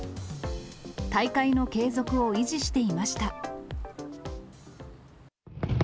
大会の継続を維持していました。